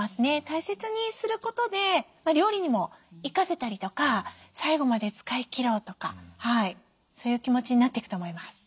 大切にすることで料理にも生かせたりとか最後まで使い切ろうとかそういう気持ちになっていくと思います。